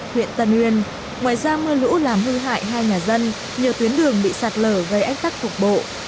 huyện tân uyên ngoài ra mưa lũ làm hư hại hai nhà dân nhiều tuyến đường bị sạt lở gây ách tắc cục bộ